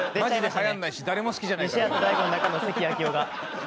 西畑大吾の中の関暁夫が。